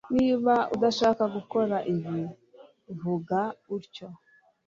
Niba udashaka gukora ibi vuga utyo